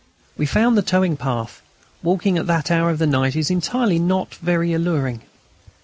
We found the towing path. Walking at that hour of the night is certainly not very alluring.